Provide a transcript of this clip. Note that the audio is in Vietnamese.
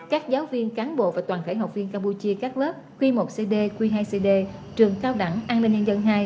các giáo viên cán bộ và toàn thể học viên campuchia các lớp q một cd q hai cd trường cao đẳng an ninh nhân dân hai